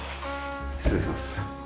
失礼します。